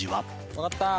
わかった。